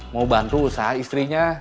mau bantu usaha istrinya